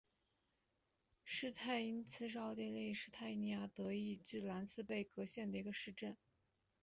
施泰因茨是奥地利施蒂利亚州德意志兰茨贝格县的一个市镇。